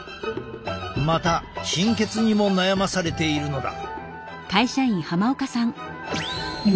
また貧血にも悩まされているのだ。